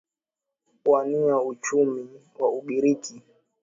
uinua uchumi wa ugiriki